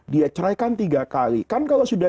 dia cerai kan tiga kali kan kalau sudah